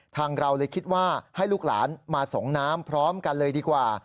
เราเลยคิดว่าให้ลูกหลานมาส่งน้ำพร้อมกันเลยดีกว่า